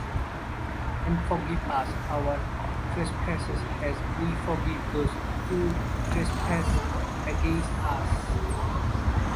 and forgive us our trespasses as we forgive those who trespass against us;